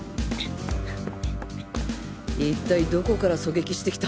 一体どこから狙撃してきた？